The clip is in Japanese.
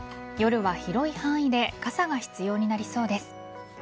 夜は広い範囲で傘が必要になりそうです。